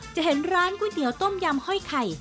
เห็นร้านก๋วยเตี๋ยวต้มยำห้อยไข่